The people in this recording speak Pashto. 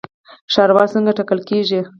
ښاروال څنګه ټاکل کیږي؟